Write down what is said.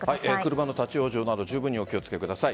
車の立ち往生など十分にお気をつけください。